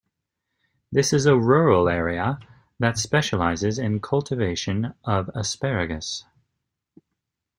This is a rural area that specializes in cultivation of asparagus.